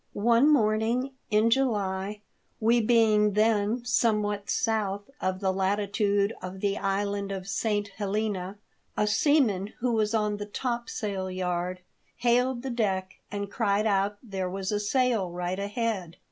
One morning in July, we being then some what south of the latitude of the island of St. Helena, a seaman who was on the top sail yard hailed the deck, and cried out that there was a sail right ahead.